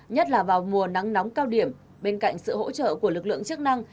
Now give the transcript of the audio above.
nhất là vào mùa nắng nóng cao điểm bên cạnh sự hỗ trợ của lực lượng chức năng